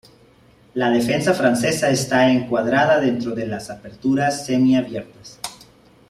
La defensa francesa está encuadrada dentro de las aperturas semiabiertas.